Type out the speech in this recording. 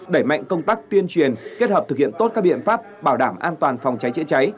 đẩy mạnh công tác tuyên truyền kết hợp thực hiện tốt các biện pháp bảo đảm an toàn phòng cháy chữa cháy